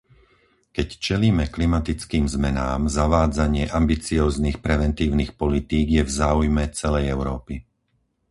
Keď čelíme klimatickým zmenám, zavádzanie ambicióznych preventívnych politík je v záujme celej Európy.